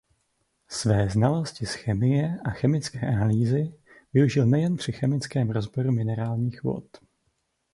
Své znalosti z chemie a chemické analýzy využil nejen při chemickém rozboru minerálních vod.